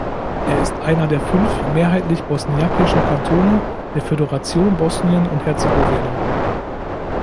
Er ist einer der fünf mehrheitlich bosniakischen Kantone der Föderation Bosnien und Herzegowina.